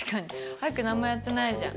アイク何もやってないじゃん。